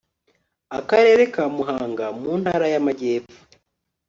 akarere ka muhanga mu ntara y amajyepfo